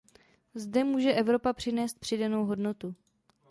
Zde může Evropa přinést přidanou hodnotu.